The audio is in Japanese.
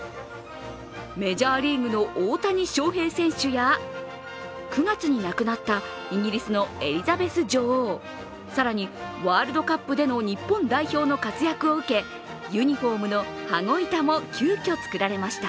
メジャーリーグの大谷翔平選手や９月に亡くなったイギリスのエリザベス女王更にワールドカップでの日本代表の活躍を受け、ユニフォームの羽子板も急きょ作られました。